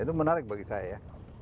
itu menarik bagi saya